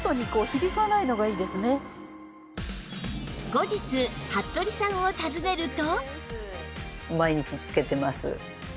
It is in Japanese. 後日服部さんを訪ねると